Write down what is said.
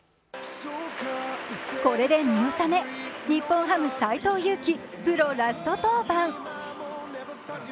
これで見納め、日本ハム・斎藤佑樹プロラスト登板。